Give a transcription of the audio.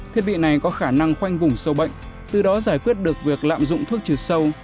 thiết bị này có khả năng khoanh vùng sâu bệnh từ đó giải quyết được việc lạm dụng thuốc trừ sâu